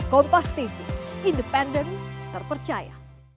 kompas tv independen terpercaya